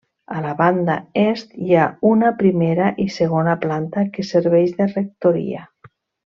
A la banda est hi ha una primera i segona planta que serveix de rectoria.